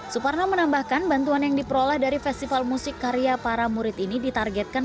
suparno menambahkan bantuan yang diperoleh dari festival musik karya para murid ini ditargetkan